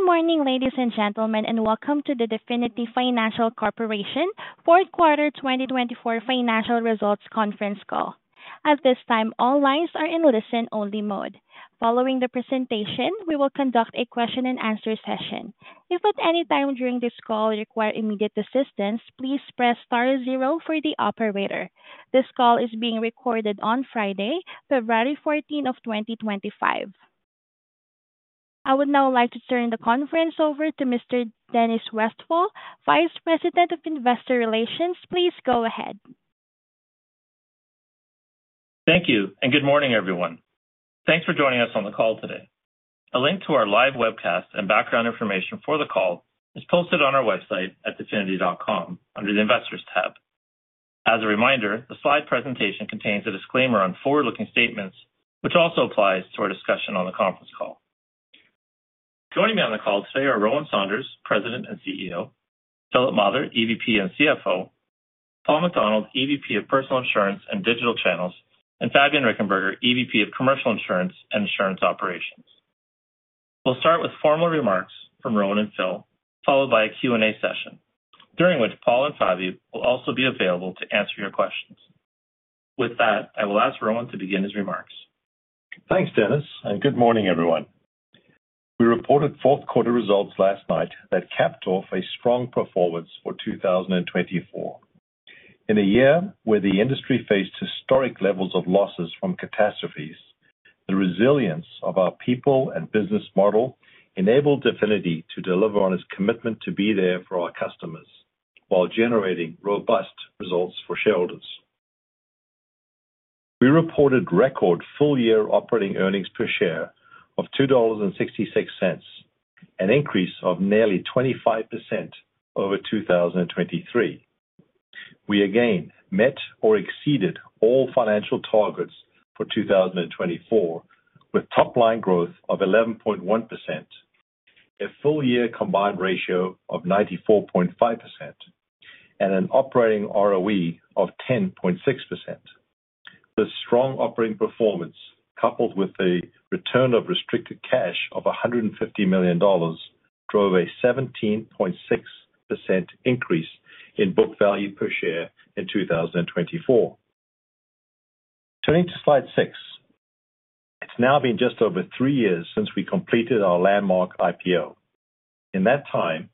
Good morning, ladies and gentlemen, and welcome to the Definity Financial Corporation Q4 2024 Financial Results Conference Call. At this time, all lines are in listen-only mode. Following the presentation, we will conduct a question-and-answer session. If at any time during this call you require immediate assistance, please press star zero for the operator. This call is being recorded on Friday, February 14, 2025. I would now like to turn the conference over to Mr. Dennis Westfall, Vice President of Investor Relations. Please go ahead. Thank you, and good morning, everyone. Thanks for joining us on the call today. A link to our live webcast and background information for the call is posted on our website at definity.com under the Investors tab. As a reminder, the slide presentation contains a disclaimer on forward-looking statements, which also applies to our discussion on the conference call. Joining me on the call today are Rowan Saunders, President and CEO, Philip Mather, EVP and CFO, Paul MacDonald, EVP of Personal Insurance and Digital Channels, and Fabian Richenberger, EVP of Commercial Insurance and Insurance Operations. We'll start with formal remarks from Rowan and Phil, followed by a Q&A session, during which Paul and Fabian will also be available to answer your questions. With that, I will ask Rowan to begin his remarks. Thanks, Dennis, and good morning, everyone. We reported fourth-quarter results last night that capped off a strong performance for 2024. In a year where the industry faced historic levels of losses from catastrophes, the resilience of our people and business model enabled Definity to deliver on its commitment to be there for our customers while generating robust results for shareholders. We reported record full-year operating earnings per share of 2.66 dollars, an increase of nearly 25% over 2023. We again met or exceeded all financial targets for 2024, with top-line growth of 11.1%, a full-year combined ratio of 94.5%, and an operating ROE of 10.6%. This strong operating performance, coupled with the return of restricted cash of 150 million dollars, drove a 17.6% increase in book value per share in 2024. Turning to slide six, it's now been just over three years since we completed our landmark IPO. In that time,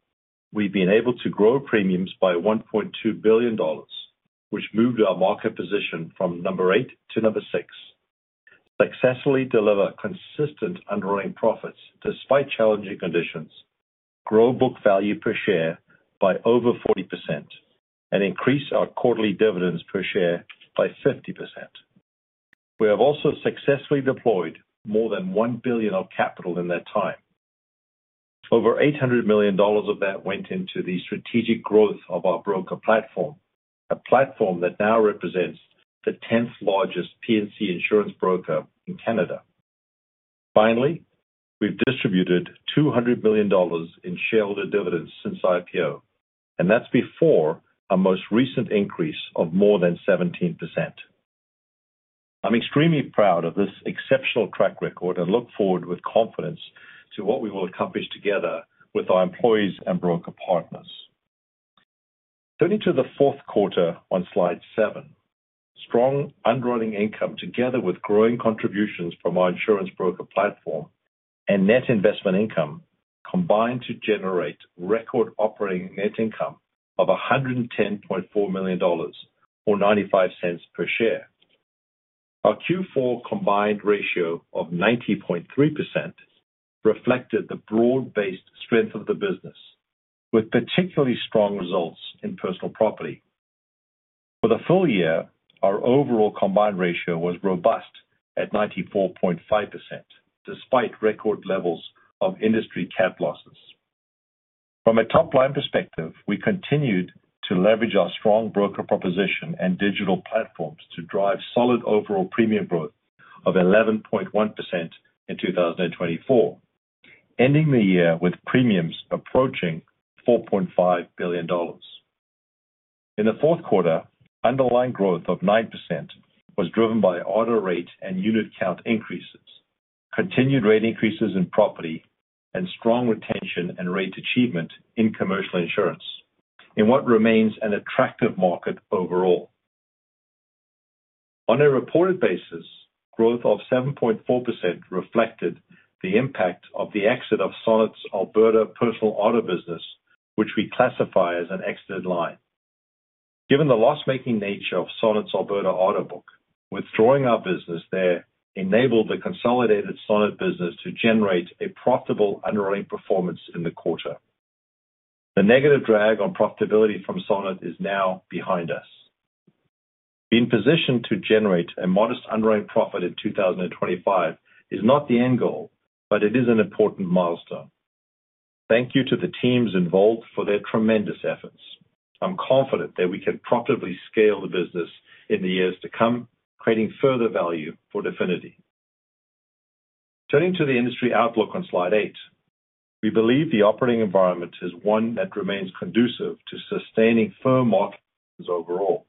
we've been able to grow premiums by 1.2 billion dollars, which moved our market position from number eight to number six, successfully deliver consistent underlying profits despite challenging conditions, grow book value per share by over 40%, and increase our quarterly dividends per share by 50%. We have also successfully deployed more than 1 billion of capital in that time. Over 800 million dollars of that went into the strategic growth of our broker platform, a platform that now represents the 10th largest P&C insurance broker in Canada. Finally, we've distributed 200 million dollars in shareholder dividends since IPO, and that's before our most recent increase of more than 17%. I'm extremely proud of this exceptional track record and look forward with confidence to what we will accomplish together with our employees and broker partners. Turning to the fourth quarter on slide seven, strong underlying income together with growing contributions from our insurance broker platform and net investment income combined to generate record operating net income of 110.4 million dollars or 0.95 per share. Our Q4 combined ratio of 90.3% reflected the broad-based strength of the business, with particularly strong results in personal property. For the full year, our overall combined ratio was robust at 94.5%, despite record levels of industry CAT losses. From a top-line perspective, we continued to leverage our strong broker proposition and digital platforms to drive solid overall premium growth of 11.1% in 2024, ending the year with premiums approaching 4.5 billion dollars. In the fourth quarter, underlying growth of 9% was driven by retention rate and unit count increases, continued rate increases in property, and strong retention and rate achievement in commercial insurance, in what remains an attractive market overall. On a reported basis, growth of 7.4% reflected the impact of the exit of Sonnet's Alberta Personal Auto business, which we classify as an exited line. Given the loss-making nature of Sonnet's Alberta auto book, withdrawing our business there enabled the consolidated Sonnet business to generate a profitable underlying performance in the quarter. The negative drag on profitability from Sonnet is now behind us. Being positioned to generate a modest underlying profit in 2025 is not the end goal, but it is an important milestone. Thank you to the teams involved for their tremendous efforts. I'm confident that we can profitably scale the business in the years to come, creating further value for Definity. Turning to the industry outlook on slide eight, we believe the operating environment is one that remains conducive to sustaining firm market conditions overall.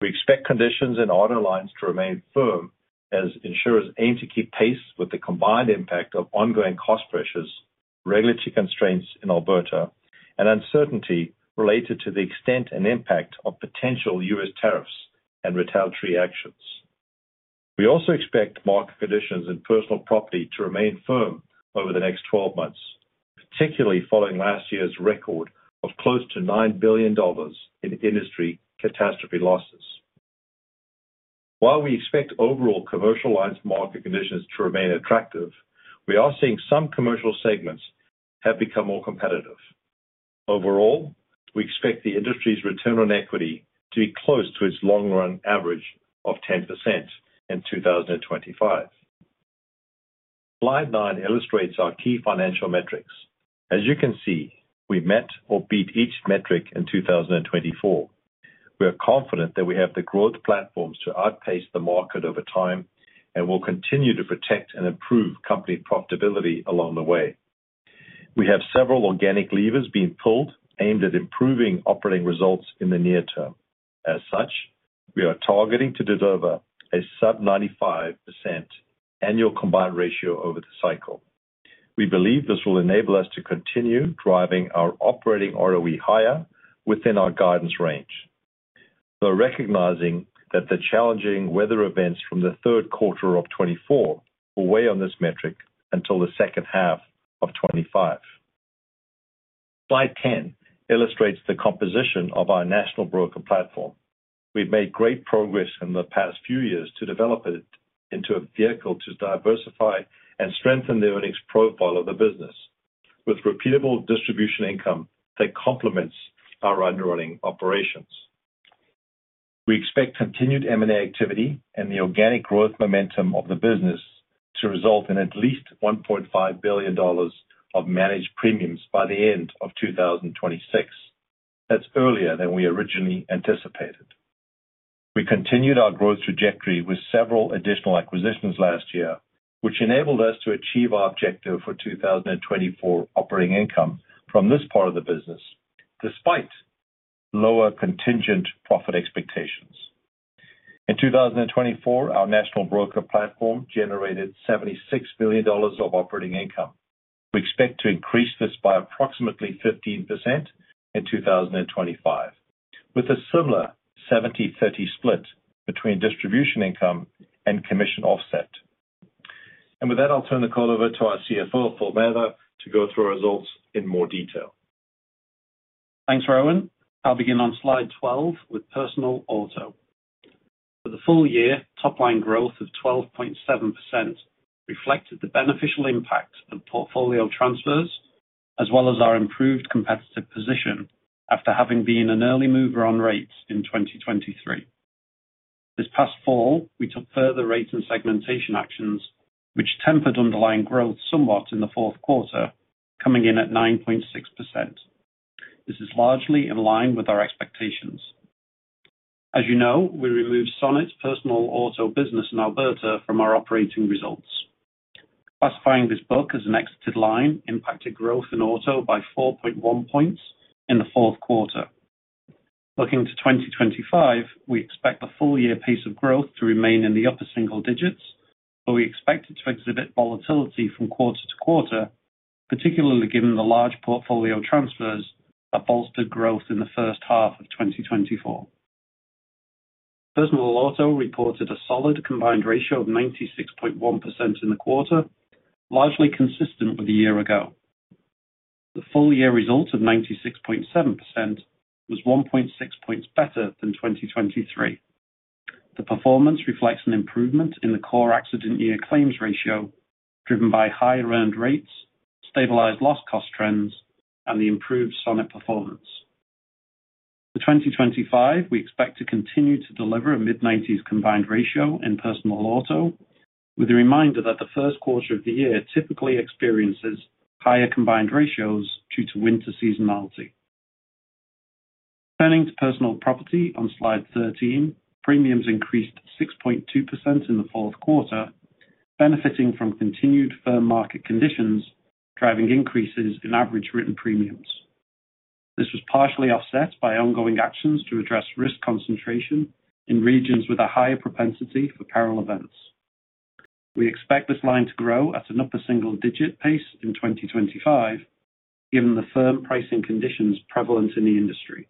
We expect conditions and order lines to remain firm as insurers aim to keep pace with the combined impact of ongoing cost pressures, regulatory constraints in Alberta, and uncertainty related to the extent and impact of potential U.S. tariffs and retaliatory actions. We also expect market conditions in personal property to remain firm over the next 12 months, particularly following last year's record of close to 9 billion dollars in industry catastrophe losses. While we expect overall commercial lines market conditions to remain attractive, we are seeing some commercial segments have become more competitive. Overall, we expect the industry's return on equity to be close to its long-run average of 10% in 2025. Slide nine illustrates our key financial metrics. As you can see, we met or beat each metric in 2024. We are confident that we have the growth platforms to outpace the market over time and will continue to protect and improve company profitability along the way. We have several organic levers being pulled aimed at improving operating results in the near term. As such, we are targeting to deliver a sub-95% annual combined ratio over the cycle. We believe this will enable us to continue driving our operating ROE higher within our guidance range, though recognizing that the challenging weather events from the third quarter of 2024 will weigh on this metric until the second half of 2025. Slide 10 illustrates the composition of our national broker platform. We've made great progress in the past few years to develop it into a vehicle to diversify and strengthen the earnings profile of the business, with repeatable distribution income that complements our underlying operations. We expect continued M&A activity and the organic growth momentum of the business to result in at least 1.5 billion dollars of managed premiums by the end of 2026. That's earlier than we originally anticipated. We continued our growth trajectory with several additional acquisitions last year, which enabled us to achieve our objective for 2024 operating income from this part of the business, despite lower contingent profit expectations. In 2024, our national broker platform generated 76 million dollars of operating income. We expect to increase this by approximately 15% in 2025, with a similar 70/30 split between distribution income and commission offset. With that, I'll turn the call over to our CFO, Phil Mather, to go through our results in more detail. Thanks, Rowan. I'll begin on slide 12 with Personal auto. For the full year, top-line growth of 12.7% reflected the beneficial impact of portfolio transfers, as well as our improved competitive position after having been an early mover on rates in 2023. This past fall, we took further rates and segmentation actions, which tempered underlying growth somewhat in the fourth quarter, coming in at 9.6%. This is largely in line with our expectations. As you know, we removed Sonnet's Personal Auto business in Alberta from our operating results, classifying this book as an exited line, impacted growth in auto by 4.1 points in the fourth quarter. Looking to 2025, we expect the full-year pace of growth to remain in the upper single digits, but we expect it to exhibit volatility from quarter to quarter, particularly given the large portfolio transfers that bolstered growth in the first half of 2024. Personal Auto reported a solid combined ratio of 96.1% in the quarter, largely consistent with a year ago. The full-year result of 96.7% was 1.6 points better than 2023. The performance reflects an improvement in the core accident year claims ratio, driven by higher earned rates, stabilized loss cost trends, and the improved Sonnet performance. For 2025, we expect to continue to deliver a mid-90s combined ratio in Personal Auto, with a reminder that the first quarter of the year typically experiences higher combined ratios due to winter seasonality. Turning to personal property on slide 13, premiums increased 6.2% in the fourth quarter, benefiting from continued firm market conditions, driving increases in average written premiums. This was partially offset by ongoing actions to address risk concentration in regions with a higher propensity for peril events. We expect this line to grow at an upper single-digit pace in 2025, given the firm pricing conditions prevalent in the industry.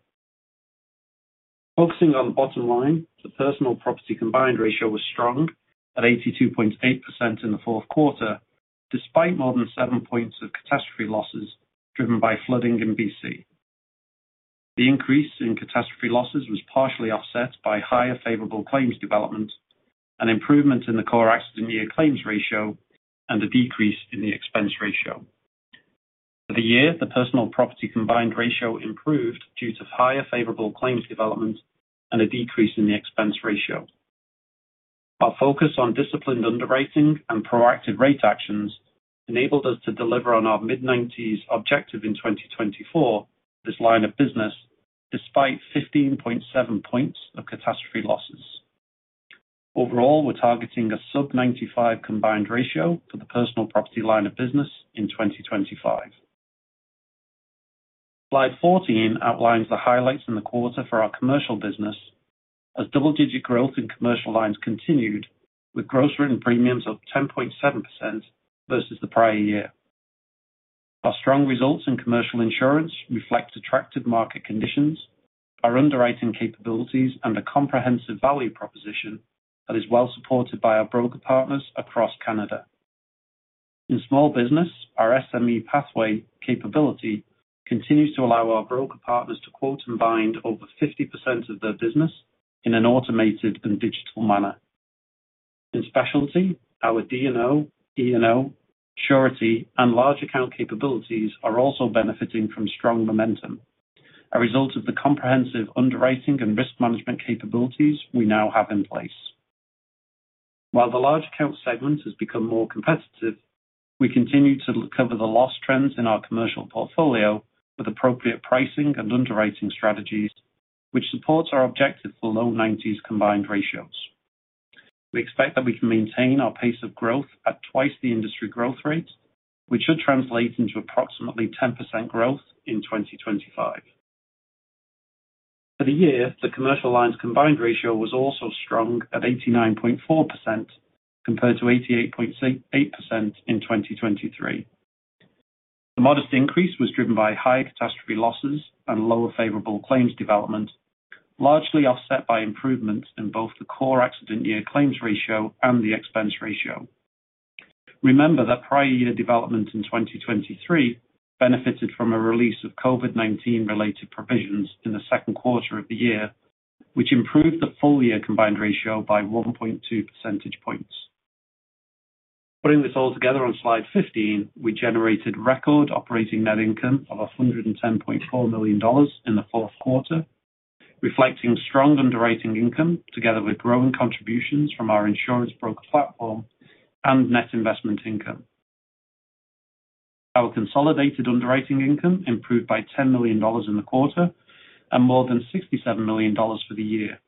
Focusing on the bottom line, the personal property combined ratio was strong at 82.8% in the fourth quarter, despite more than seven points of catastrophe losses driven by flooding in BC. The increase in catastrophe losses was partially offset by higher favorable claims development, an improvement in the core accident year claims ratio, and a decrease in the expense ratio. For the year, the personal property combined ratio improved due to higher favorable claims development and a decrease in the expense ratio. Our focus on disciplined underwriting and proactive rate actions enabled us to deliver on our mid-90s objective in 2024 for this line of business, despite 15.7 points of catastrophe losses. Overall, we're targeting a sub-95 combined ratio for the personal property line of business in 2025. Slide 14 outlines the highlights in the quarter for our commercial business, as double-digit growth in commercial lines continued, with gross written premiums of 10.7% versus the prior year. Our strong results in commercial insurance reflect attractive market conditions, our underwriting capabilities, and a comprehensive value proposition that is well supported by our broker partners across Canada. In small business, our SME pathway capability continues to allow our broker partners to quote and bind over 50% of their business in an automated and digital manner. In specialty, our D&O, E&O, surety, and large account capabilities are also benefiting from strong momentum, a result of the comprehensive underwriting and risk management capabilities we now have in place. While the large account segment has become more competitive, we continue to cover the loss trends in our commercial portfolio with appropriate pricing and underwriting strategies, which supports our objective for low 90s combined ratios. We expect that we can maintain our pace of growth at twice the industry growth rate, which should translate into approximately 10% growth in 2025. For the year, the commercial lines combined ratio was also strong at 89.4% compared to 88.8% in 2023. The modest increase was driven by higher catastrophe losses and lower favorable claims development, largely offset by improvements in both the core accident year claims ratio and the expense ratio. Remember that prior year development in 2023 benefited from a release of COVID-19-related provisions in the second quarter of the year, which improved the full-year combined ratio by 1.2 percentage points. Putting this all together on slide 15, we generated record operating net income of 110.4 million dollars in the fourth quarter, reflecting strong underwriting income together with growing contributions from our insurance broker platform and net investment income. Our consolidated underwriting income improved by 10 million dollars in the quarter and more than 67 million dollars for the year.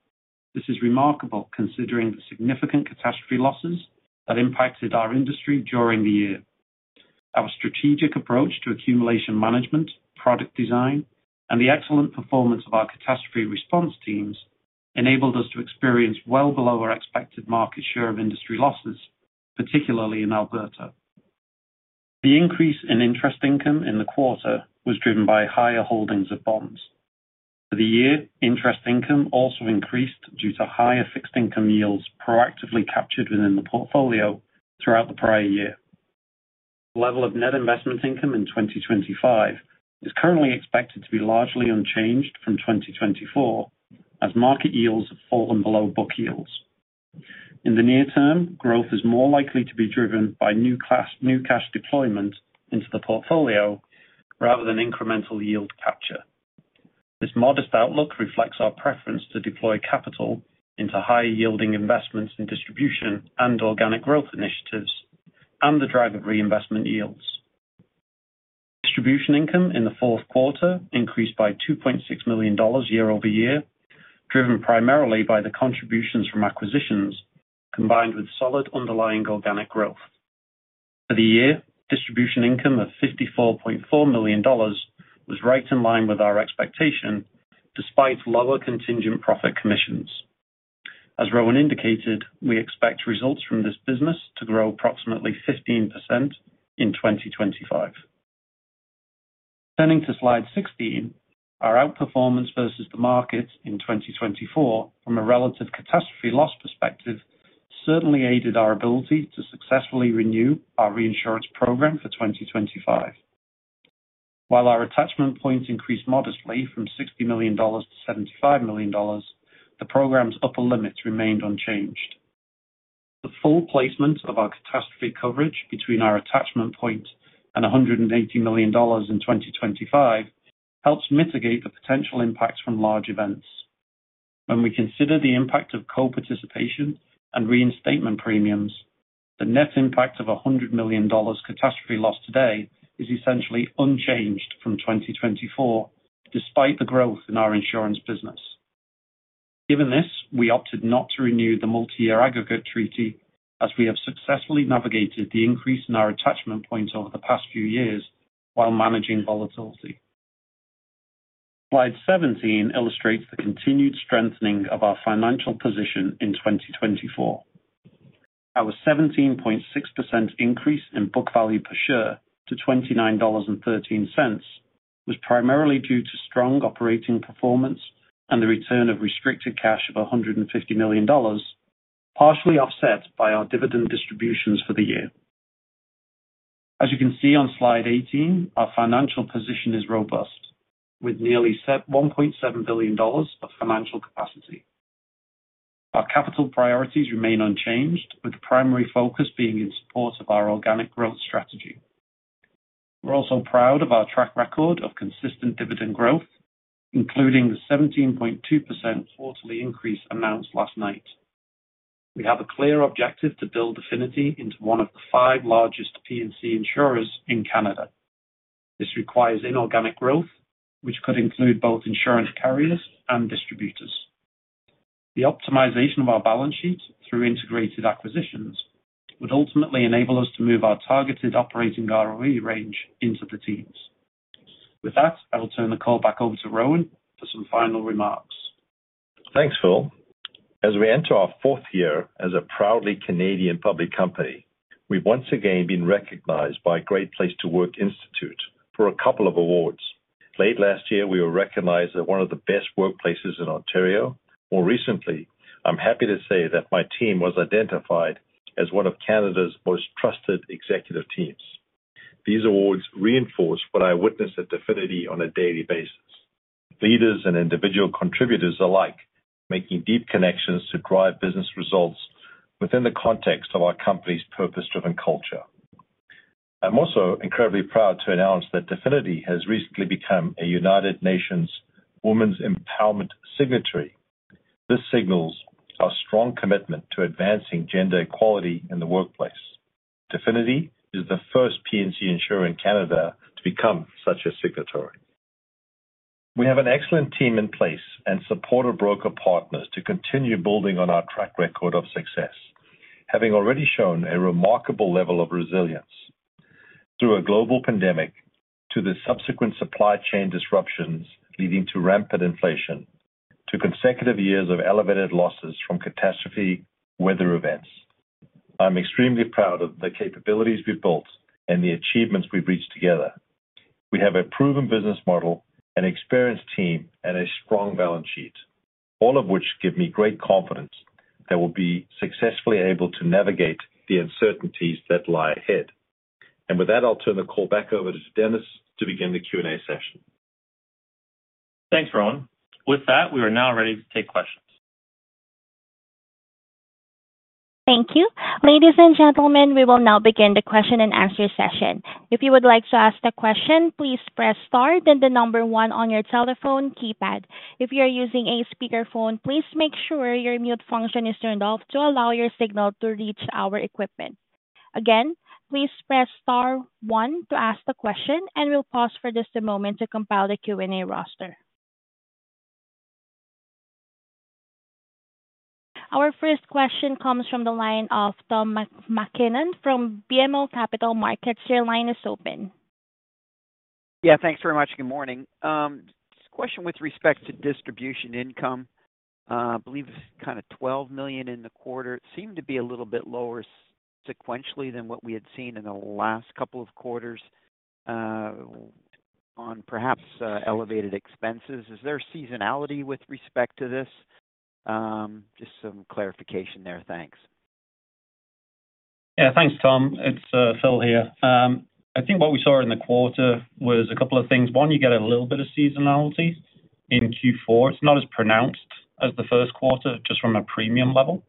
This is remarkable considering the significant catastrophe losses that impacted our industry during the year. Our strategic approach to accumulation management, product design, and the excellent performance of our catastrophe response teams enabled us to experience well below our expected market share of industry losses, particularly in Alberta. The increase in interest income in the quarter was driven by higher holdings of bonds. For the year, interest income also increased due to higher fixed income yields proactively captured within the portfolio throughout the prior year. The level of net investment income in 2025 is currently expected to be largely unchanged from 2024, as market yields have fallen below book yields. In the near term, growth is more likely to be driven by new cash deployment into the portfolio rather than incremental yield capture. This modest outlook reflects our preference to deploy capital into high-yielding investments in distribution and organic growth initiatives and the drive of reinvestment yields. Distribution income in the fourth quarter increased by 2.6 million dollars year-over-year, driven primarily by the contributions from acquisitions combined with solid underlying organic growth. For the year, distribution income of 54.4 million dollars was right in line with our expectation, despite lower contingent profit commissions. As Rowan indicated, we expect results from this business to grow approximately 15% in 2025. Turning to slide 16, our outperformance versus the market in 2024 from a relative catastrophe loss perspective certainly aided our ability to successfully renew our reinsurance program for 2025. While our attachment points increased modestly from 60 million dollars to 75 million dollars, the program's upper limits remained unchanged. The full placement of our catastrophe coverage between our attachment point and 180 million dollars in 2025 helps mitigate the potential impacts from large events. When we consider the impact of co-participation and reinstatement premiums, the net impact of 100 million dollars catastrophe loss today is essentially unchanged from 2024, despite the growth in our insurance business. Given this, we opted not to renew the multi-year aggregate treaty, as we have successfully navigated the increase in our attachment points over the past few years while managing volatility. Slide 17 illustrates the continued strengthening of our financial position in 2024. Our 17.6% increase in book value per share to 29.13 dollars was primarily due to strong operating performance and the return of restricted cash of 150 million dollars, partially offset by our dividend distributions for the year. As you can see on slide 18, our financial position is robust, with nearly 1.7 billion dollars of financial capacity. Our capital priorities remain unchanged, with the primary focus being in support of our organic growth strategy. We're also proud of our track record of consistent dividend growth, including the 17.2% quarterly increase announced last night. We have a clear objective to build Definity into one of the five largest P&C insurers in Canada. This requires inorganic growth, which could include both insurance carriers and distributors. The optimization of our balance sheet through integrated acquisitions would ultimately enable us to move our targeted operating ROE range into the teens. With that, I will turn the call back over to Rowan for some final remarks. Thanks, Phil. As we enter our fourth year as a proudly Canadian public company, we've once again been recognized by Great Place to Work Institute for a couple of awards. Late last year, we were recognized as one of the best workplaces in Ontario. More recently, I'm happy to say that my team was identified as one of Canada's most trusted executive teams. These awards reinforce what I witness at Definity on a daily basis: leaders and individual contributors alike making deep connections to drive business results within the context of our company's purpose-driven culture. I'm also incredibly proud to announce that Definity has recently become a United Nations Women's Empowerment signatory. This signals our strong commitment to advancing gender equality in the workplace. Definity is the first P&C insurer in Canada to become such a signatory. We have an excellent team in place and supportive broker partners to continue building on our track record of success, having already shown a remarkable level of resilience through a global pandemic, to the subsequent supply chain disruptions leading to rampant inflation, to consecutive years of elevated losses from catastrophe weather events. I'm extremely proud of the capabilities we've built and the achievements we've reached together. We have a proven business model, an experienced team, and a strong balance sheet, all of which give me great confidence that we'll be successfully able to navigate the uncertainties that lie ahead. And with that, I'll turn the call back over to Dennis to begin the Q&A session. Thanks, Rowan. With that, we are now ready to take questions. Thank you. Ladies and gentlemen, we will now begin the question and answer session. If you would like to ask a question, please press Star then the number one on your telephone keypad. If you are using a speakerphone, please make sure your mute function is turned off to allow your signal to reach our equipment. Again, please press Star one to ask the question, and we'll pause for just a moment to compile the Q&A roster. Our first question comes from the line of Tom MacKinnon from BMO Capital Markets. Your line is open. Yeah, thanks very much. Good morning. This question with respect to distribution income, I believe it's kind of 12 million in the quarter. It seemed to be a little bit lower sequentially than what we had seen in the last couple of quarters on perhaps elevated expenses. Is there seasonality with respect to this? Just some clarification there. Thanks. Yeah, thanks, Tom. It's Phil here. I think what we saw in the quarter was a couple of things. One, you get a little bit of seasonality in Q4. It's not as pronounced as the first quarter, just from a premium level.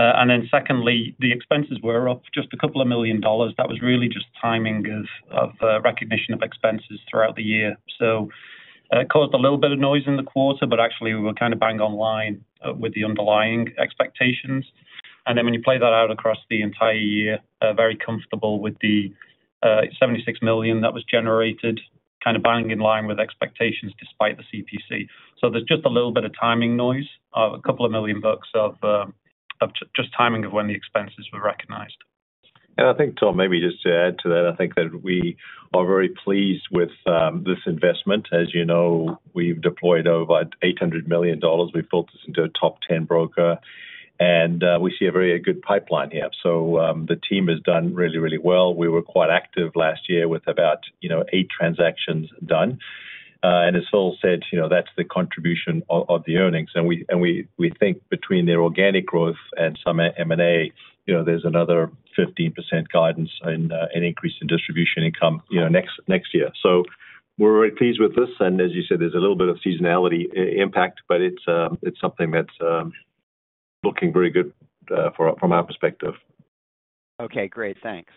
And then secondly, the expenses were up just a couple of million dollars. That was really just timing of recognition of expenses throughout the year. So it caused a little bit of noise in the quarter, but actually, we were kind of bang on line with the underlying expectations. And then when you play that out across the entire year, very comfortable with the 76 million that was generated, kind of bang in line with expectations despite the CPC. So there's just a little bit of timing noise, a couple of million bucks of just timing of when the expenses were recognized. Yeah, I think, Tom, maybe just to add to that, I think that we are very pleased with this investment. As you know, we've deployed over 800 million dollars. We've built this into a top-10 broker, and we see a very good pipeline here. So the team has done really, really well. We were quite active last year with about eight transactions done. And as Phil said, that's the contribution of the earnings. And we think between the organic growth and some M&A, there's another 15% guidance and increase in distribution income next year. So we're very pleased with this. And as you said, there's a little bit of seasonality impact, but it's something that's looking very good from our perspective. Okay, great. Thanks.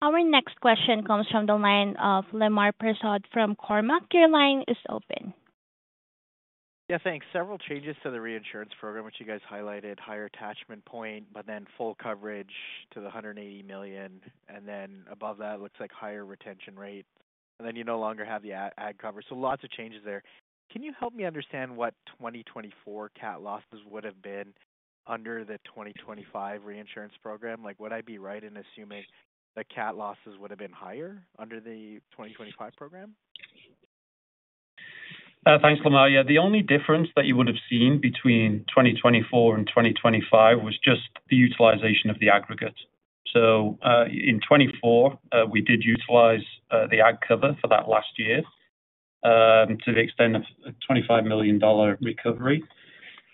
Our next question comes from the line of Lemar Persaud from Cormark. Your line is open. Yeah, thanks. Several changes to the reinsurance program, which you guys highlighted: higher attachment point, but then full coverage to the 180 million. And then above that, it looks like higher retention rate. And then you no longer have the aggregate cover. So lots of changes there. Can you help me understand what 2024 CAT losses would have been under the 2025 reinsurance program? Would I be right in assuming that CAT losses would have been higher under the 2025 program? Thanks, Lemar. The only difference that you would have seen between 2024 and 2025 was just the utilization of the aggregate. So in 2024, we did utilize the ag cover for that last year to the extent of a 25 million dollar recovery.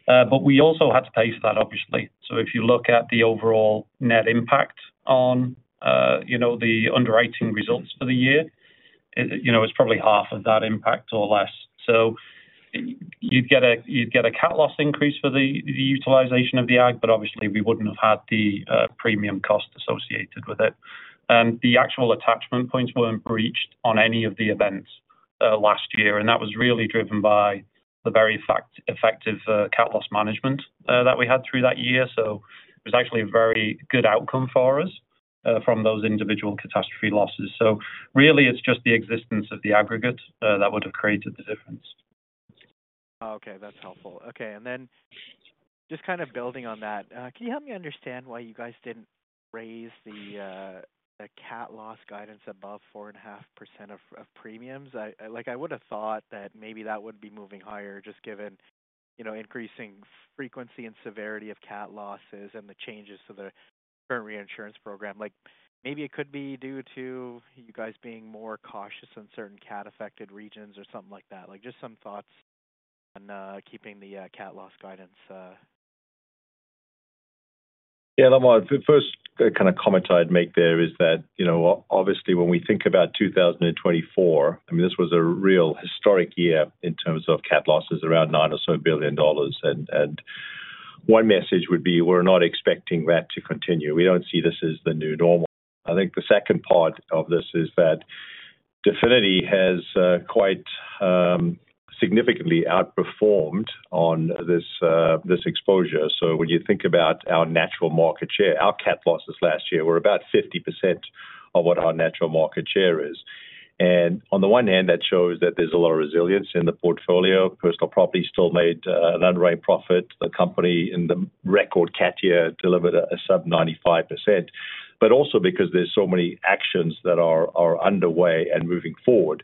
But we also had to pay for that, obviously. So if you look at the overall net impact on the underwriting results for the year, it's probably half of that impact or less. So you'd get a CAT loss increase for the utilization of the agg, but obviously, we wouldn't have had the premium cost associated with it. And the actual attachment points weren't breached on any of the events last year. And that was really driven by the very effective CAT loss management that we had through that year. So it was actually a very good outcome for us from those individual catastrophe losses. So really, it's just the existence of the aggregate that would have created the difference. Okay, that's helpful. Okay. And then just kind of building on that, can you help me understand why you guys didn't raise the CAT loss guidance above 4.5% of premiums? I would have thought that maybe that would be moving higher just given increasing frequency and severity of CAT losses and the changes to the current reinsurance program. Maybe it could be due to you guys being more cautious in certain CAT-affected regions or something like that. Just some thoughts on keeping the CAT loss guidance. Yeah, Lemar, the first kind of comment I'd make there is that, obviously, when we think about 2024, I mean, this was a real historic year in terms of CAT losses around 9 billion or so. And one message would be, we're not expecting that to continue. We don't see this as the new normal. I think the second part of this is that Definity has quite significantly outperformed on this exposure. So when you think about our natural market share, our CAT losses last year were about 50% of what our natural market share is. And on the one hand, that shows that there's a lot of resilience in the portfolio. Personal property still made an underwriting profit. The company in the record CAT year delivered a sub-95%, but also because there's so many actions that are underway and moving forward.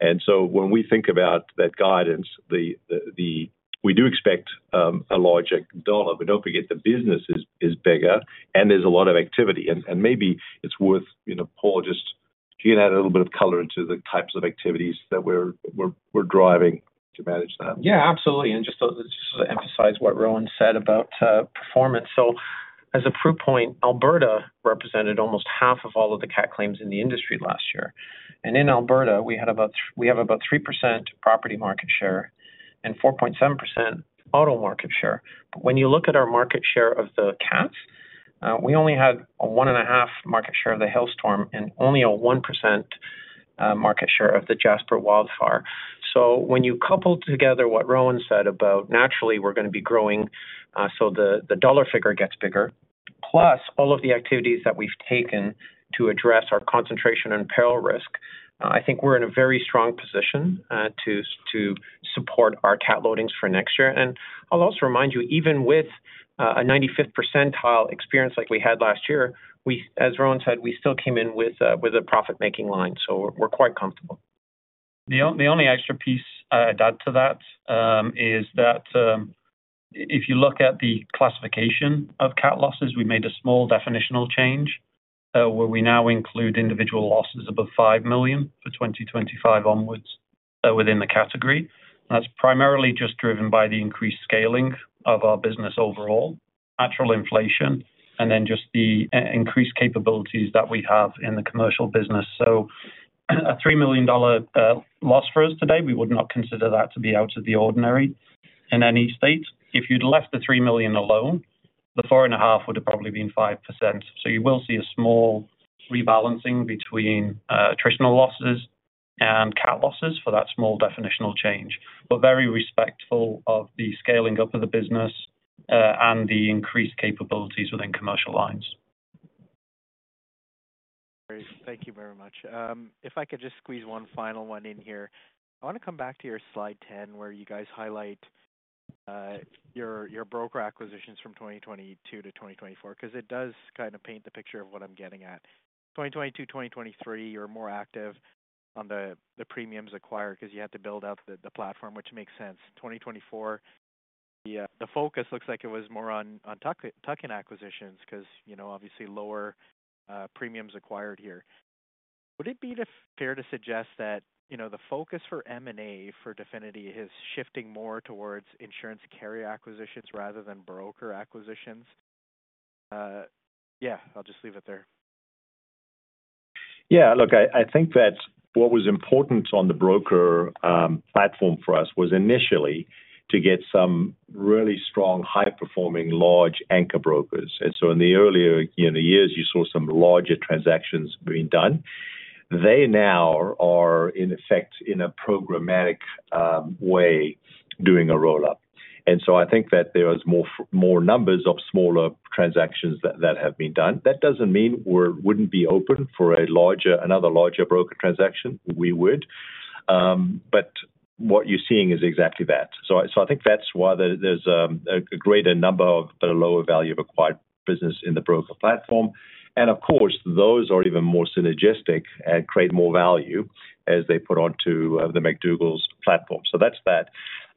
And so when we think about that guidance, we do expect a larger dollar. But don't forget, the business is bigger, and there's a lot of activity. And maybe it's worth Paul just getting a little bit of color into the types of activities that we're driving to manage that. Yeah, absolutely. And just to sort of emphasize what Rowan said about performance. So as a proof point, Alberta represented almost half of all of the CAT claims in the industry last year. And in Alberta, we have about 3% property market share and 4.7% auto market share. When you look at our market share of the CATs, we only had a 1.5% market share of the hailstorm and only a 1% market share of the Jasper wildfire. So when you couple together what Rowan said about, naturally, we're going to be growing, so the dollar figure gets bigger, plus all of the activities that we've taken to address our concentration and peril risk, I think we're in a very strong position to support our CAT loadings for next year. And I'll also remind you, even with a 95th percentile experience like we had last year, as Rowan said, we still came in with a profit-making line. So we're quite comfortable. The only extra piece I'd add to that is that if you look at the classification of CAT losses, we made a small definitional change where we now include individual losses above 5 million for 2025 onwards within the category. That's primarily just driven by the increased scaling of our business overall, actual inflation, and then just the increased capabilities that we have in the commercial business. So a 3 million dollar loss for us today, we would not consider that to be out of the ordinary in any state. If you'd left the 3 million alone, the 4.5 million would have probably been 5%. So you will see a small rebalancing between attritional losses and CAT losses for that small definitional change, but very respectful of the scaling up of the business and the increased capabilities within commercial lines. Great. Thank you very much. If I could just squeeze one final one in here. I want to come back to your slide 10 where you guys highlight your broker acquisitions from 2022 to 2024 because it does kind of paint the picture of what I'm getting at. 2022, 2023, you're more active on the premiums acquired because you had to build out the platform, which makes sense. 2024, the focus looks like it was more on tuck-in acquisitions because obviously lower premiums acquired here. Would it be fair to suggest that the focus for M&A for Definity is shifting more towards insurance carrier acquisitions rather than broker acquisitions? Yeah, I'll just leave it there. Yeah. Look, I think that what was important on the broker platform for us was initially to get some really strong, high-performing, large anchor brokers. And so in the earlier years, you saw some larger transactions being done. They now are, in effect, in a programmatic way, doing a roll-up. And so I think that there are more numbers of smaller transactions that have been done. That doesn't mean we wouldn't be open for another larger broker transaction. We would. But what you're seeing is exactly that. So I think that's why there's a greater number of lower value-acquired business in the broker platform. And of course, those are even more synergistic and create more value as they put onto the McDougall's platform. So that's that.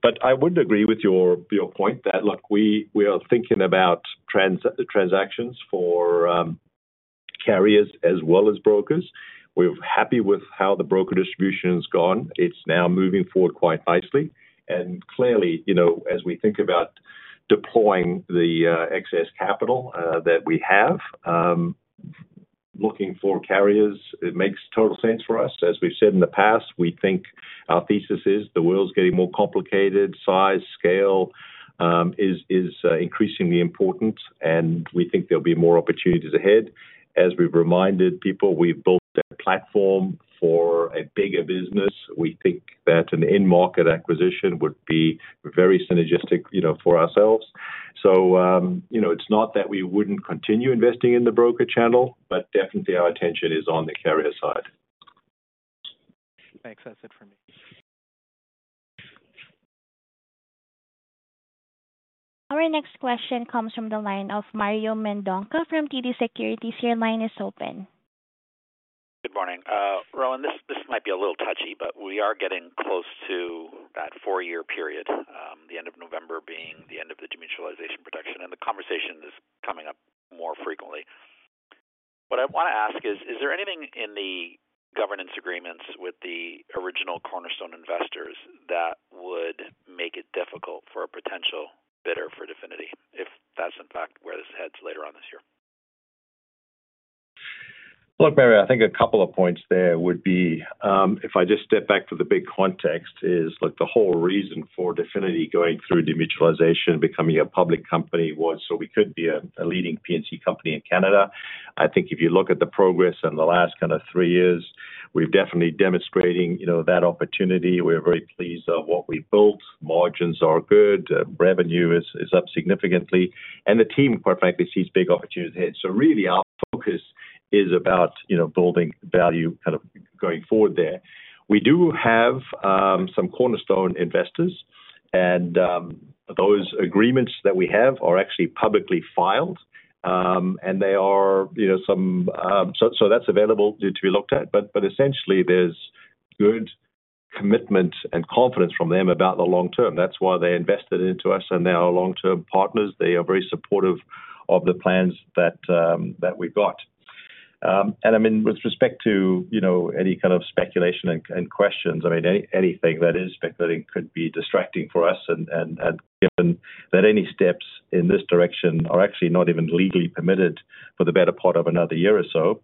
But I wouldn't agree with your point that, look, we are thinking about transactions for carriers as well as brokers. We're happy with how the broker distribution has gone. It's now moving forward quite nicely. And clearly, as we think about deploying the excess capital that we have, looking for carriers, it makes total sense for us. As we've said in the past, we think our thesis is the world's getting more complicated. Size, scale is increasingly important, and we think there'll be more opportunities ahead. As we've reminded people, we've built a platform for a bigger business. We think that an in-market acquisition would be very synergistic for ourselves. So it's not that we wouldn't continue investing in the broker channel, but definitely our attention is on the carrier side. Thanks. That's it for me. Our next question comes from the line of Mario Mendonca from TD Securities. Your line is open. Good morning. Rowan, this might be a little touchy, but we are getting close to that four-year period, the end of November being the end of the demutualization process. The conversation is coming up more frequently. What I want to ask is, is there anything in the governance agreements with the original Cornerstone Investors that would make it difficult for a potential bidder for Definity if that's, in fact, where this heads later on this year? Look, Mario, I think a couple of points there would be, if I just step back to the big context, is, look, the whole reason for Definity going through demutualization, becoming a public company was so we could be a leading P&C company in Canada. I think if you look at the progress in the last kind of three years, we're definitely demonstrating that opportunity. We're very pleased of what we built. Margins are good. Revenue is up significantly. The team, quite frankly, sees big opportunities ahead. So really, our focus is about building value kind of going forward there. We do have some Cornerstone Investors, and those agreements that we have are actually publicly filed, and they are some so that's available to be looked at. But essentially, there's good commitment and confidence from them about the long term. That's why they invested into us, and they are long-term partners. They are very supportive of the plans that we've got, and I mean, with respect to any kind of speculation and questions, I mean, anything that is speculating could be distracting for us, given that any steps in this direction are actually not even legally permitted for the better part of another year or so.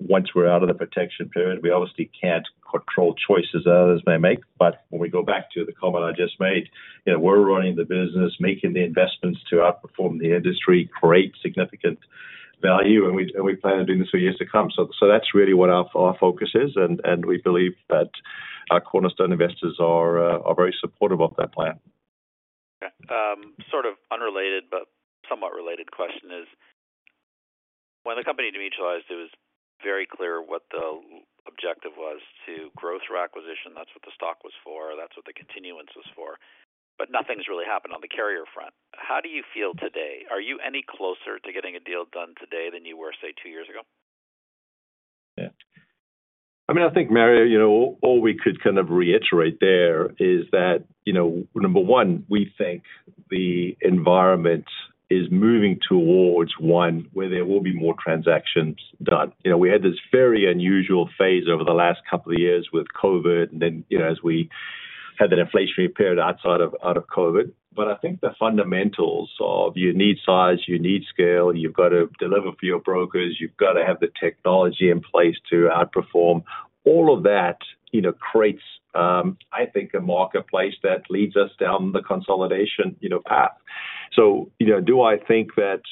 Once we're out of the protection period, we obviously can't control choices that others may make, but when we go back to the comment I just made, we're running the business, making the investments to outperform the industry, create significant value, and we plan on doing this for years to come, so that's really what our focus is, and we believe that our Cornerstone Investors are very supportive of that plan. Okay. Sort of unrelated, but somewhat related question is, when the company demutualized, it was very clear what the objective was: to grow through acquisition. That's what the stock was for. That's what the continuance was for. But nothing's really happened on the carrier front. How do you feel today? Are you any closer to getting a deal done today than you were, say, two years ago? Yeah. I mean, Mario, all we could kind of reiterate there is that, number one, we think the environment is moving towards one where there will be more transactions done. We had this very unusual phase over the last couple of years with COVID and then as we had that inflationary period outside of COVID. But I think the fundamentals of you need size, you need scale, you've got to deliver for your brokers, you've got to have the technology in place to outperform. All of that creates, I think, a marketplace that leads us down the consolidation path. So do I think that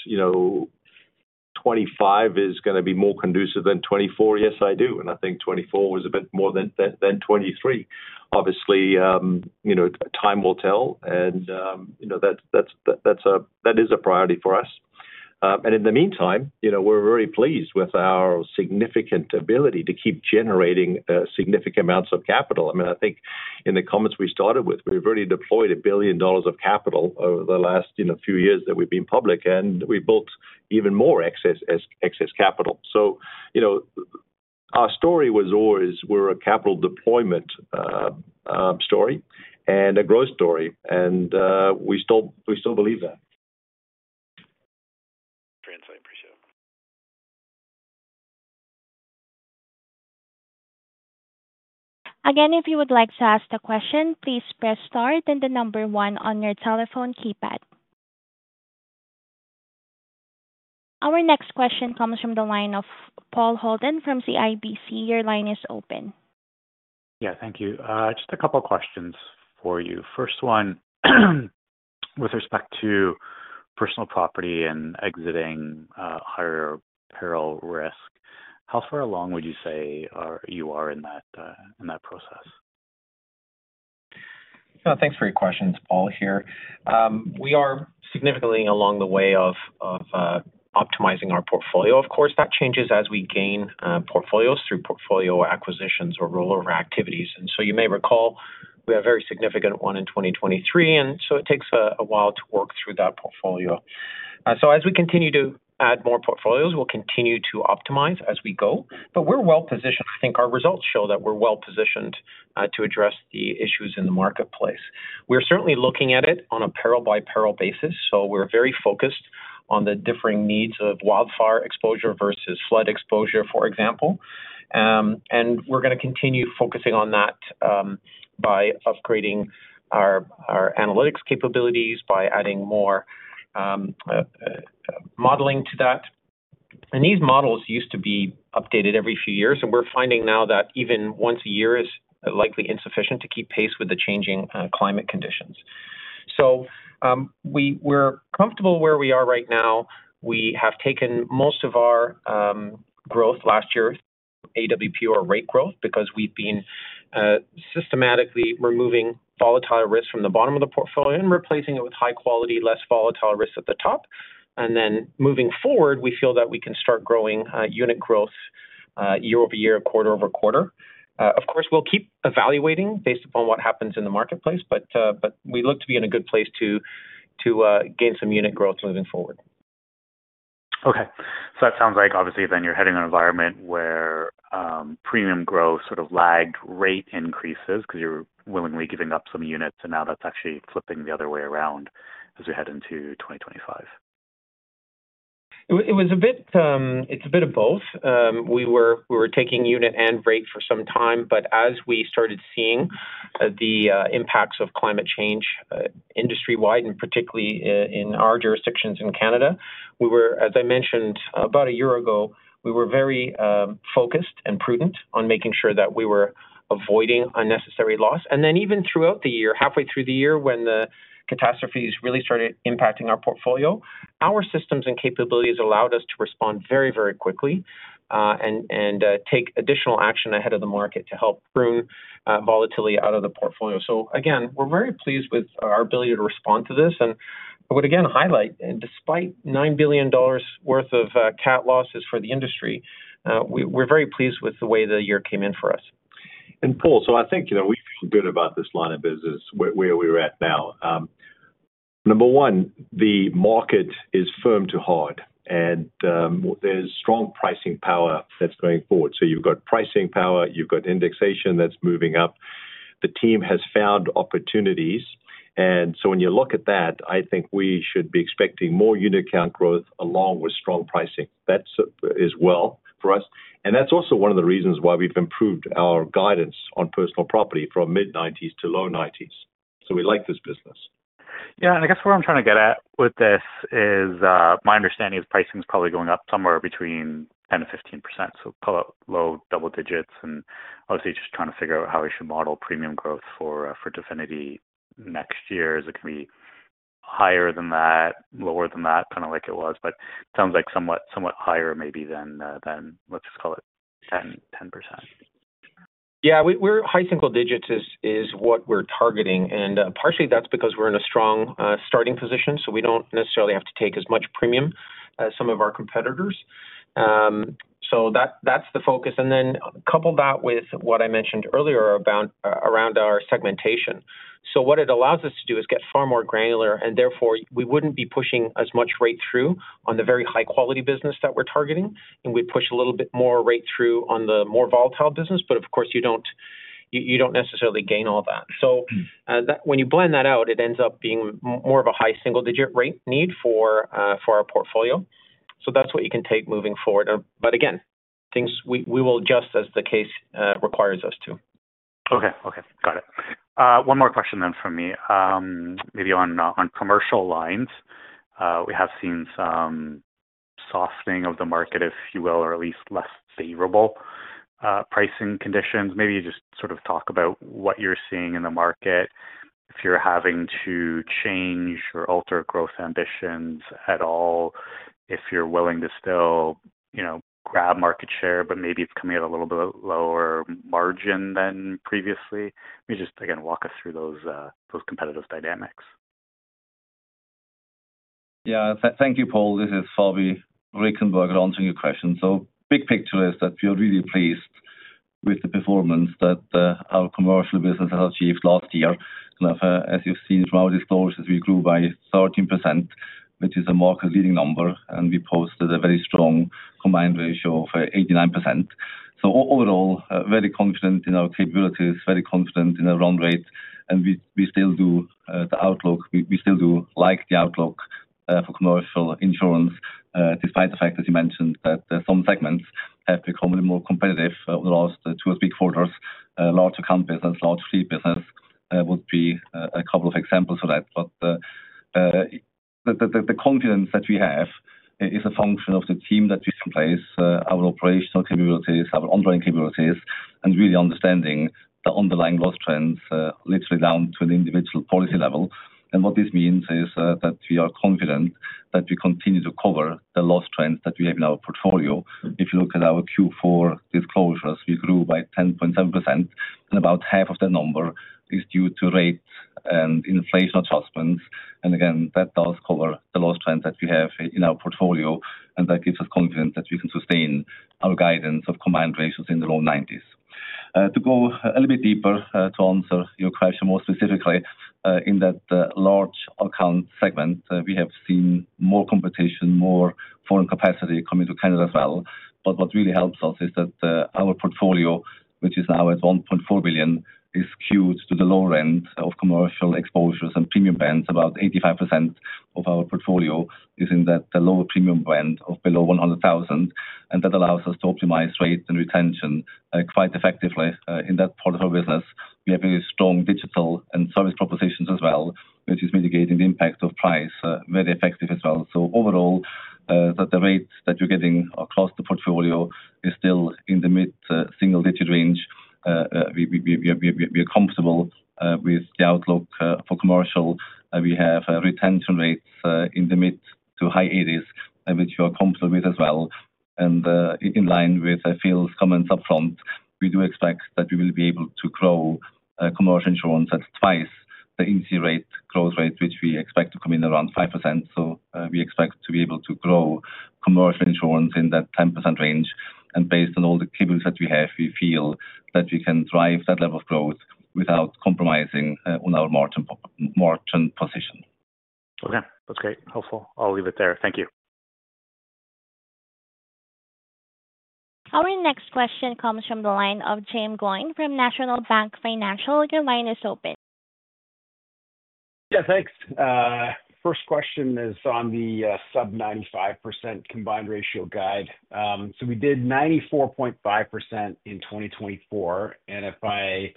2025 is going to be more conducive than 2024? Yes, I do. And I think 2024 was a bit more than 2023. Obviously, time will tell. And that is a priority for us. In the meantime, we're very pleased with our significant ability to keep generating significant amounts of capital. I mean, I think in the comments we started with, we've already deployed a billion dollars of capital over the last few years that we've been public, and we built even more excess capital. Our story was always we're a capital deployment story and a growth story. We still believe that. Thanks. I appreciate it. Again, if you would like to ask a question, please press star and the number one on your telephone keypad. Our next question comes from the line of Paul Holden from CIBC. Your line is open. Yeah, thank you. Just a couple of questions for you. First one, with respect to personal property and exiting higher peril risk, how far along would you say you are in that process? Thanks for your questions, Paul, here. We are significantly along the way of optimizing our portfolio. Of course, that changes as we gain portfolios through portfolio acquisitions or rollover activities. And so you may recall we had a very significant one in 2023, and so it takes a while to work through that portfolio, so as we continue to add more portfolios, we'll continue to optimize as we go, but we're well positioned. I think our results show that we're well positioned to address the issues in the marketplace. We're certainly looking at it on a peril-by-peril basis, so we're very focused on the differing needs of wildfire exposure versus flood exposure, for example, and we're going to continue focusing on that by upgrading our analytics capabilities, by adding more modeling to that. These models used to be updated every few years, and we're finding now that even once a year is likely insufficient to keep pace with the changing climate conditions. So we're comfortable where we are right now. We have taken most of our growth last year through AWP or rate growth because we've been systematically removing volatile risk from the bottom of the portfolio and replacing it with high-quality, less volatile risk at the top. And then moving forward, we feel that we can start growing unit growth year-over-year, quarter-over-quarter. Of course, we'll keep evaluating based upon what happens in the marketplace, but we look to be in a good place to gain some unit growth moving forward. Okay, so that sounds like, obviously, then you're heading an environment where premium growth sort of lagged rate increases because you're willingly giving up some units, and now that's actually flipping the other way around as we head into 2025. It was a bit. It's a bit of both. We were taking unit and rate for some time, but as we started seeing the impacts of climate change industry-wide, and particularly in our jurisdictions in Canada, we were, as I mentioned, about a year ago, we were very focused and prudent on making sure that we were avoiding unnecessary loss, and then even throughout the year, halfway through the year when the catastrophes really started impacting our portfolio, our systems and capabilities allowed us to respond very, very quickly and take additional action ahead of the market to help prune volatility out of the portfolio, so again, we're very pleased with our ability to respond to this, and I would, again, highlight, despite 9 billion dollars worth of CAT losses for the industry, we're very pleased with the way the year came in for us. And Paul, so I think we feel good about this line of business where we're at now. Number one, the market is firm to hold, and there's strong pricing power that's going forward. So you've got pricing power, you've got indexation that's moving up. The team has found opportunities. And so when you look at that, I think we should be expecting more unit account growth along with strong pricing. That is well for us. And that's also one of the reasons why we've improved our guidance on personal property from mid-90s to low-90s. So we like this business. Yeah. And I guess where I'm trying to get at with this is my understanding is pricing is probably going up somewhere between 10%-15%. So call it low double digits. And obviously, just trying to figure out how we should model premium growth for Definity next year. Is it going to be higher than that, lower than that, kind of like it was? But it sounds like somewhat higher maybe than, let's just call it, 10%. Yeah. High single digits is what we're targeting, and partially, that's because we're in a strong starting position, so we don't necessarily have to take as much premium as some of our competitors, so that's the focus, and then couple that with what I mentioned earlier around our segmentation, so what it allows us to do is get far more granular, and therefore, we wouldn't be pushing as much rate through on the very high-quality business that we're targeting, and we'd push a little bit more rate through on the more volatile business, but of course, you don't necessarily gain all that, so when you blend that out, it ends up being more of a high single-digit rate need for our portfolio, so that's what you can take moving forward, but again, things we will adjust as the case requires us to. Okay. Okay. Got it. One more question then from me. Maybe on commercial lines, we have seen some softening of the market, if you will, or at least less favorable pricing conditions. Maybe you just sort of talk about what you're seeing in the market, if you're having to change or alter growth ambitions at all, if you're willing to still grab market share, but maybe it's coming at a little bit lower margin than previously. Maybe just, again, walk us through those competitive dynamics. Yeah. Thank you, Paul. This is Fabian Richenberger answering your question. So big picture is that we are really pleased with the performance that our commercial business has achieved last year. As you've seen from our disclosures, we grew by 13%, which is a market-leading number. And we posted a very strong combined ratio of 89%. So overall, very confident in our capabilities, very confident in the run rate. And we still do the outlook. We still do like the outlook for commercial insurance, despite the fact, as you mentioned, that some segments have become a bit more competitive over the last two or three quarters. Larger companies, that's large fleet business, would be a couple of examples for that. But the confidence that we have is a function of the team that we have in place, our operational capabilities, our ongoing capabilities, and really understanding the underlying loss trends literally down to an individual policy level. And what this means is that we are confident that we continue to cover the loss trends that we have in our portfolio. If you look at our Q4 disclosures, we grew by 10.7%, and about half of that number is due to rates and inflation adjustments. And again, that does cover the loss trends that we have in our portfolio, and that gives us confidence that we can sustain our guidance of combined ratios in the low 90s. To go a little bit deeper to answer your question more specifically, in that large account segment, we have seen more competition, more foreign capacity coming to Canada as well. What really helps us is that our portfolio, which is now at 1.4 billion, is skewed to the lower end of commercial exposures and premium bands. About 85% of our portfolio is in that lower premium band of below 100,000. That allows us to optimize rate and retention quite effectively in that part of our business. We have very strong digital and service propositions as well, which is mitigating the impact of price very effectively as well. Overall, the rate that you are getting across the portfolio is still in the mid-single-digit range. We are comfortable with the outlook for commercial. We have retention rates in the mid- to high-80s%, which we are comfortable with as well. And in line with Phil's comments upfront, we do expect that we will be able to grow commercial insurance at twice the industry rate growth rate, which we expect to come in around 5%. So we expect to be able to grow commercial insurance in that 10% range. And based on all the capabilities that we have, we feel that we can drive that level of growth without compromising on our margin position. Okay. That's great. Helpful. I'll leave it there. Thank you. Our next question comes from the line of Jaeme Gloyn from National Bank Financial. Your line is open. Yeah, thanks. First question is on the sub-95% combined ratio guide. So we did 94.5% in 2024. And if I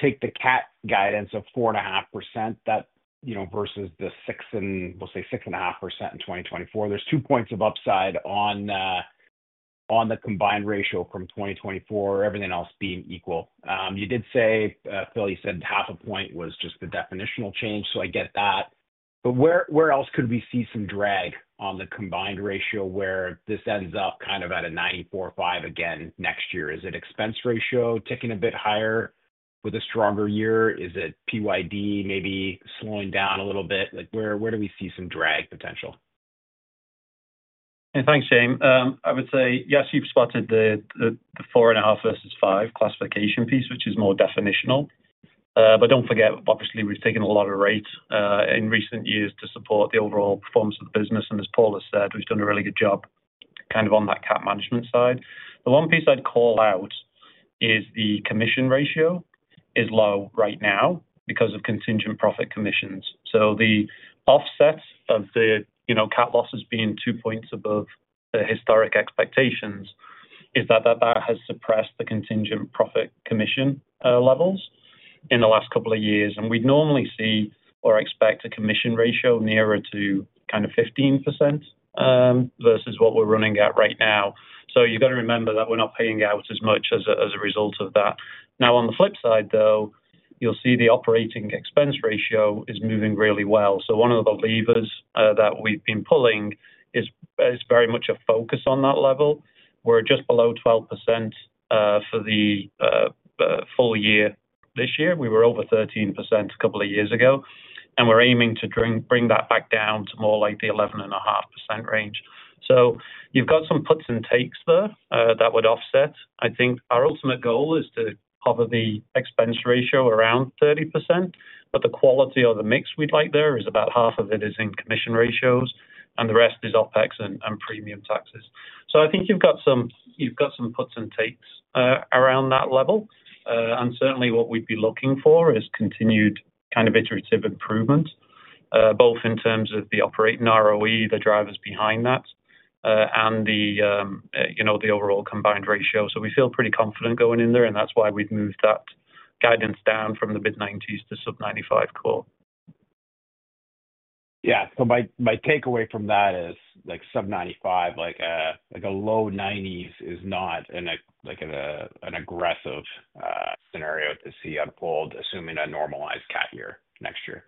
take the CAT guidance of 4.5% versus the 6% and we'll say 6.5% in 2024, there's two points of upside on the combined ratio from 2024, everything else being equal. You did say, Phil, you said half a point was just the definitional change. So I get that. But where else could we see some drag on the combined ratio where this ends up kind of at a 94.5% again next year? Is it expense ratio ticking a bit higher with a stronger year? Is it PYD maybe slowing down a little bit? Where do we see some drag potential? Thanks, Jaeme. I would say, yes, you've spotted the 4.5 versus 5 classification piece, which is more definitional. But don't forget, obviously, we've taken a lot of rate in recent years to support the overall performance of the business. And as Paul has said, we've done a really good job kind of on that CAT management side. The one piece I'd call out is the commission ratio is low right now because of contingent profit commissions. So the offset of the CAT losses being two points above the historic expectations is that that has suppressed the contingent profit commission levels in the last couple of years. And we'd normally see or expect a commission ratio nearer to kind of 15% versus what we're running at right now. So you've got to remember that we're not paying out as much as a result of that. Now, on the flip side, though, you'll see the operating expense ratio is moving really well. So one of the levers that we've been pulling is very much a focus on that level. We're just below 12% for the full year this year. We were over 13% a couple of years ago. And we're aiming to bring that back down to more like the 11.5% range. So you've got some puts and takes there that would offset. I think our ultimate goal is to hover the expense ratio around 30%. But the quality of the mix we'd like there is about half of it is in commission ratios, and the rest is OpEx and premium taxes. So I think you've got some puts and takes around that level. Certainly, what we'd be looking for is continued kind of iterative improvement, both in terms of the operating ROE, the drivers behind that, and the overall combined ratio. We feel pretty confident going in there, and that's why we've moved that guidance down from the mid-90s to sub-95 core. Yeah, so my takeaway from that is sub-95, like a low 90s, is not an aggressive scenario to see unfold, assuming a normalized CAT year next year.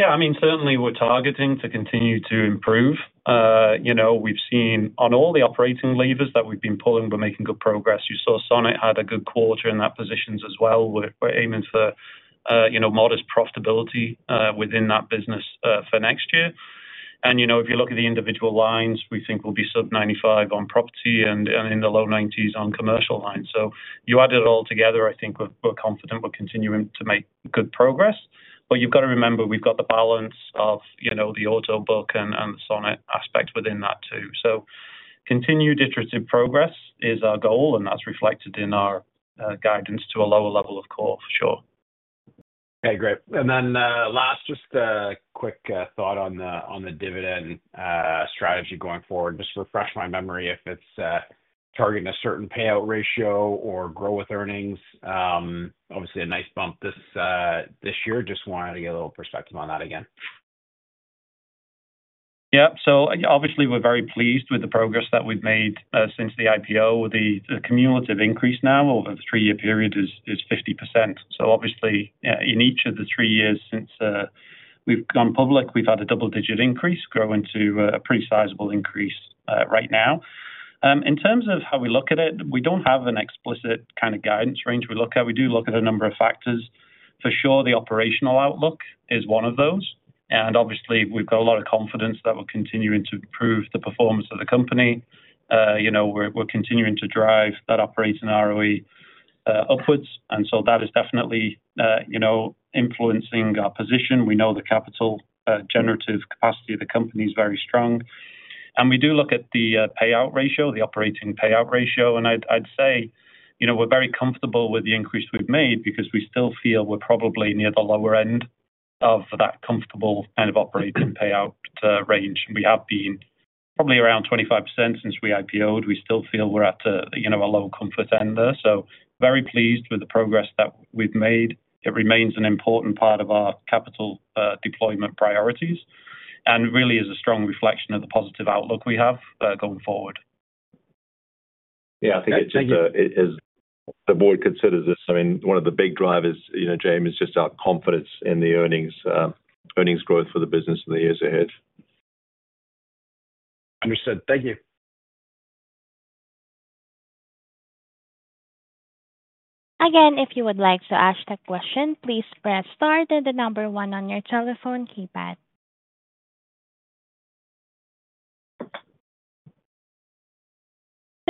Yeah. I mean, certainly, we're targeting to continue to improve. We've seen on all the operating levers that we've been pulling, we're making good progress. You saw Sonnet had a good quarter in that positions as well. We're aiming for modest profitability within that business for next year. And if you look at the individual lines, we think we'll be sub-95% on property and in the low 90s% on commercial lines. So you add it all together, I think we're confident we're continuing to make good progress. But you've got to remember, we've got the balance of the auto book and the Sonnet aspect within that too. So continued iterative progress is our goal, and that's reflected in our guidance to a lower level of core, for sure. Okay. Great, and then last, just a quick thought on the dividend strategy going forward. Just refresh my memory if it's targeting a certain payout ratio or grow with earnings? Obviously, a nice bump this year. Just wanted to get a little perspective on that again. Yeah. So obviously, we're very pleased with the progress that we've made since the IPO. The cumulative increase now over the three-year period is 50%. So obviously, in each of the three years since we've gone public, we've had a double-digit increase, growing to a pretty sizable increase right now. In terms of how we look at it, we don't have an explicit kind of guidance range we look at. We do look at a number of factors. For sure, the operational outlook is one of those. And obviously, we've got a lot of confidence that we're continuing to improve the performance of the company. We're continuing to drive that operating ROE upwards. And so that is definitely influencing our position. We know the capital generative capacity of the company is very strong. And we do look at the payout ratio, the operating payout ratio. And I'd say we're very comfortable with the increase we've made because we still feel we're probably near the lower end of that comfortable kind of operating payout range. We have been probably around 25% since we IPO'd. We still feel we're at a low comfort end there. So very pleased with the progress that we've made. It remains an important part of our capital deployment priorities and really is a strong reflection of the positive outlook we have going forward. Yeah. I think as the board considers this, I mean, one of the big drivers, Jaeme, is just our confidence in the earnings growth for the business in the years ahead. Understood. Thank you. Again, if you would like to ask that question, please press star one on your telephone keypad.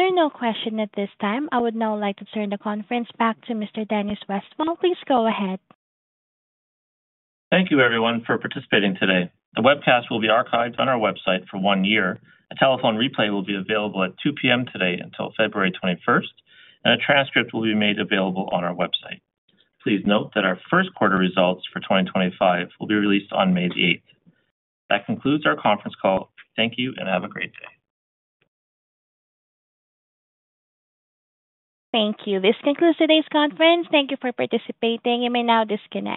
There are no questions at this time. I would now like to turn the conference back to Mr. Dennis Westfall. Please go ahead. Thank you, everyone, for participating today. The webcast will be archived on our website for one year. A telephone replay will be available at 2:00 P.M. today until February 21st, and a transcript will be made available on our website. Please note that our first quarter results for 2025 will be released on May the 8th. That concludes our conference call. Thank you, and have a great day. Thank you. This concludes today's conference. Thank you for participating. You may now disconnect.